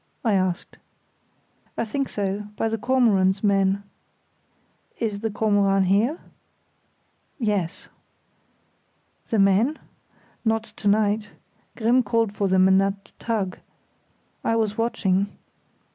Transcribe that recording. I asked. "I think so; by the Kormoran's men." "Is the Kormoran here?" "Yes." "The men?" "Not to night. Grimm called for them in that tug. I was watching.